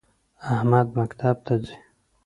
احمد مکتب ته ځی